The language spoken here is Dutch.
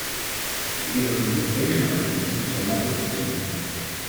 De eerder genoemde tegenargumenten zijn makkelijk te vinden.